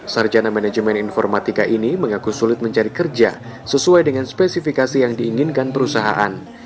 sarjana manajemen informatika ini mengaku sulit mencari kerja sesuai dengan spesifikasi yang diinginkan perusahaan